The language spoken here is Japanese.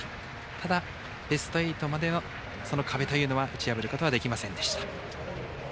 ただ、ベスト８まではその壁というのは打ち破ることはできませんでした。